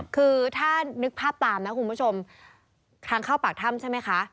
คือถ้านึกภาพตามนะคุณผู้ชมทางเข้าปากถ้ำใช่ไหมคะ